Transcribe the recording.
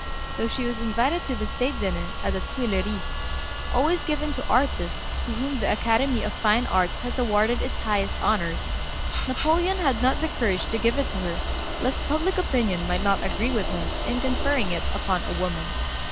Though she was invited to the state dinner at the Tuileries, always given to artists to whom the Academy of Fine Arts has awarded its highest honors, Napoleon had not the courage to give it to her, lest public opinion might not agree with him in conferring it upon a woman.